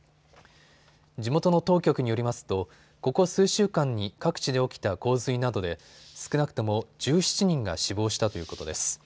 地元の当局によりますとここ数週間に各地で起きた洪水などで少なくとも１７人が死亡したということです。